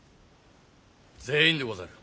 全員でござる。